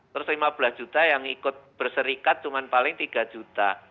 terus lima belas juta yang ikut berserikat cuma paling tiga juta